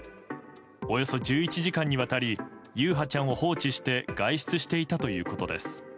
およそ１１時間にわたり優陽ちゃんを放置して外出していたということです。